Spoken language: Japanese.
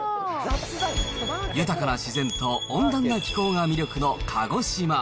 豊かな自然と温暖な気候が魅力の鹿児島。